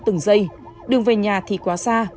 từng giây đường về nhà thì quá xa